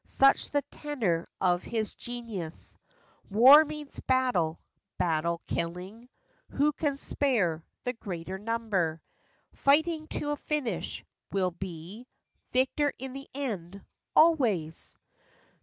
Such the tenor of his genius. War means battle; battle, killing. Who can spare the greater number, " Fighting to a finish," will be Victor in the end, always